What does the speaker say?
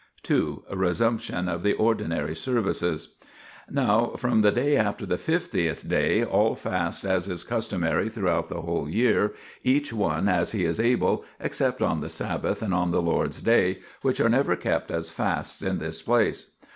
2. Resumption of the Ordinary Services. Now, from the day after the fiftieth day all fast as is customary throughout the whole year, each one as he is able, except on the Sabbath and on the Lord's Day, which are never kept as fasts in this place.